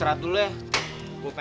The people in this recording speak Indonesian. raus deh boka